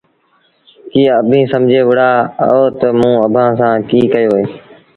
ڪيٚ اڀيٚنٚ سمجھي وهُڙآ اهو تا موٚنٚ اڀآنٚ سآݩٚ ڪيٚ ڪيو اهي؟